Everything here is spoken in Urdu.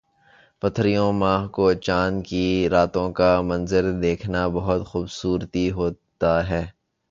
پرتھویں ماہ کو چاند کی راتوں کا منظر دیکھنا بہت خوبصورتی ہوتا ہے